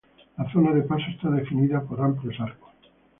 La zona de paso está definida por amplios arcos.